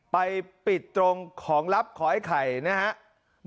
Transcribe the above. ไปปิดตรงของลับขอไอ้ไข่นะครับ